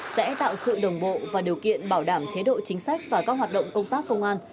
sẽ tạo sự đồng bộ và điều kiện bảo đảm chế độ chính sách và các hoạt động công tác công an